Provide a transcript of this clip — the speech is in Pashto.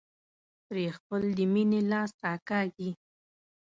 پرې خپل د مينې لاس راکاږي.